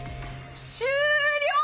終了！